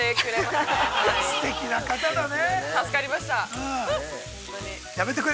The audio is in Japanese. ◆すてきな方だね。